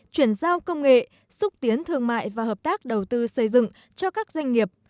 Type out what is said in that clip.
chuyển giao công nghệ xúc tiến thương mại và hợp tác đầu tư xây dựng cho các doanh nghiệp